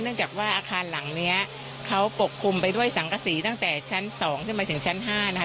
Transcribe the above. จากว่าอาคารหลังเนี้ยเขาปกคลุมไปด้วยสังกษีตั้งแต่ชั้น๒ขึ้นมาถึงชั้น๕นะคะ